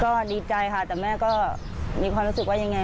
ก็ดีใจค่ะแต่แม่ก็มีความรู้สึกว่ายังไง